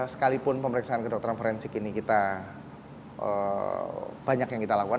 sekalipun pemeriksaan kedokteran forensik ini kita banyak yang kita lakukan